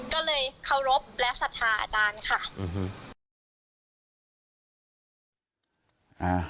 ก็เลยเคารพและศรัทธาอาจารย์ค่ะ